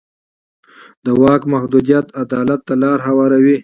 د واک محدودیت عدالت ته لاره هواروي